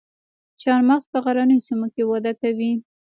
چهارمغز په غرنیو سیمو کې وده کوي